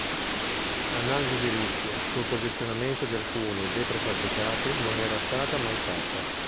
L'analisi di rischio sul posizionamento di alcuni dei prefabbricati non era stata mai fatta.